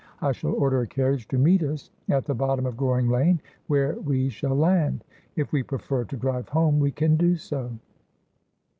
I shall order a carriage to meet us at the bottom of Goring Lane, where we shall land. If we prefer to drive home we can do so.'